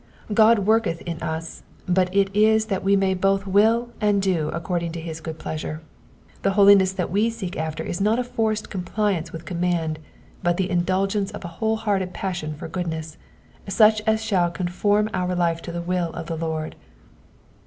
God worketh in us, but it is that we may both will and do according to his good pleasure. The holiness wo seek after is not a forced compliance with command, but the indulgence of a whole hearted passion for goodness, such as shall conform our life to the will of the Lord.